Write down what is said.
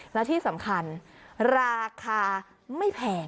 และที่สำคัญราคาไม่แพง